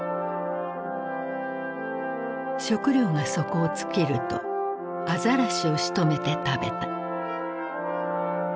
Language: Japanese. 食料が底を尽きるとアザラシをしとめて食べた。